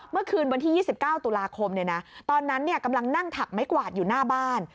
เมื่อคืนวันที่๒๙ตุลาคมตอนนั้นกำลังนั่งถักไม้กวาดอยู่หน้าบ้าน